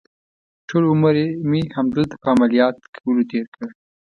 ټول عمر مې همدلته په عملیات کولو تېر کړ.